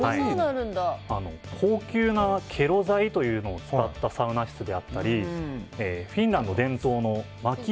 高級なケロ材というのを使ったサウナ室であったりフィンランド伝統のまき